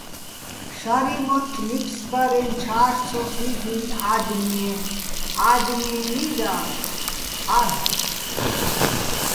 შარიჼ მოთთ ნიფსბარეჼ ჩა́რ ცო ხილ'უჲნი̆ ა́დმეჼ ადმიენი́ და, ა́ლ'ალე̆!